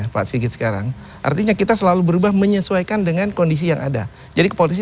pak sigit sekarang artinya kita selalu berubah menyesuaikan dengan kondisi yang ada jadi kepolisian